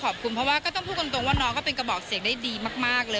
ขอบคุณเพราะว่าก็ต้องพูดตรงว่าน้องก็เป็นกระบอกเสียงได้ดีมากเลย